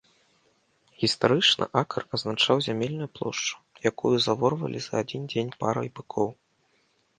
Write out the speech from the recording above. Гістарычна акр азначаў зямельную плошчу, якую заворвалі за адзін дзень парай быкоў.